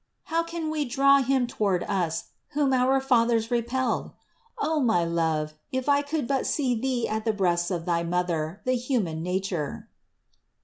How can we draw Him toward us, whom our fathers repelled? Oh my Love, if I could but see Thee at the breasts of thy Mother, the human nature!